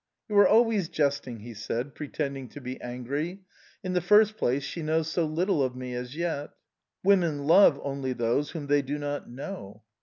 "You are always jesting!" he said, pretending to be angry. "In the first place, she knows so little of me as yet"... "Women love only those whom they do not know!"